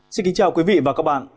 xin kính chào quý vị và các bạn